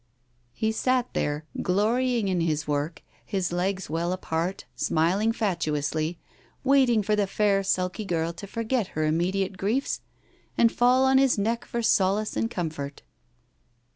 He sat there, glorying in his work, his legs well apart, smiling fatuously, waiting for the fair sulky girl to forget her immediate griefs and fall on his neck for solace and comfort.